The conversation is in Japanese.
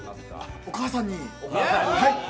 お母さんに。